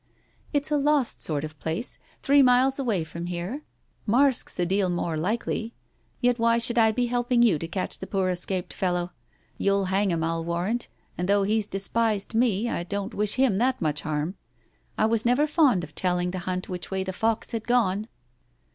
" It's a lost sort of place, three miles away from here. Marske's a deal more likely. Yet why should I be help ing you to catch the poor escaped fellow ? You'll hang him, I'll warrant, and though he's despised me, I don't wish him that much harm. I was never fond of telling the hunt which way the fox had gone."